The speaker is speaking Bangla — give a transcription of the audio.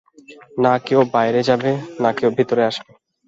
না কেউ বাইরে যাবে, না কেউ ভেতরে আসবে।